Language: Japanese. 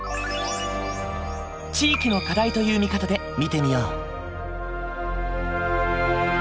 地域の課題という見方で見てみよう。